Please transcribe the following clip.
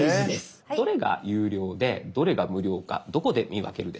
どれが有料でどれが無料かどこで見分けるでしょうか？